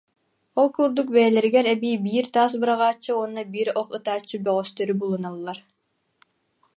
Ол курдук бэйэлэригэр эбии биир таас быраҕааччы уонна биир ох ытааччы бөҕөстөрү булуналлар